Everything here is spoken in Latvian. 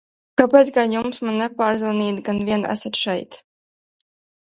Kāpēc gan jums man nepiezvanīt, kad vien esat šeit?